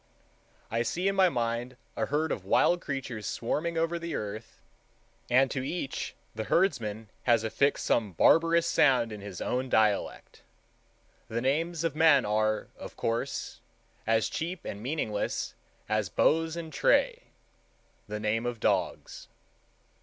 I see in my mind a herd of wild creatures swarming over the earth, and to each the herdsman has affixed some barbarous sound in his own dialect. The names of men are, of course, as cheap and meaningless as Bose and Tray, the names of dogs.